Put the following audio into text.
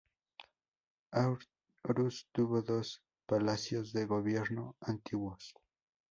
Aarhus tuvo dos palacios de gobierno antiguos.